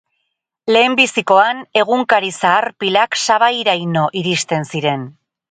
Lehenbizikoan, egunkari zahar pilak sabairaino iristen ziren.